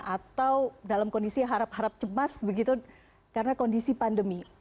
atau dalam kondisi harap harap cemas begitu karena kondisi pandemi